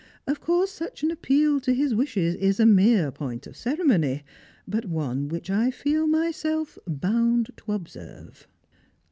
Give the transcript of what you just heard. Of course such an appeal to his wishes is a mere point of ceremony, but one which I feel myself bound to observe."